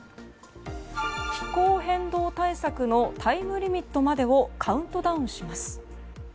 気候変動対策のタイムリミットまでをカウントダウンします。